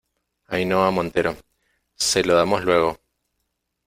Ainhoa Montero. se lo damos luego .